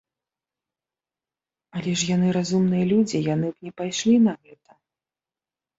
Але ж яны разумныя людзі, яны б не пайшлі на гэта.